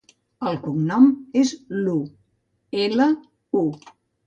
El cognom és Lu: ela, u.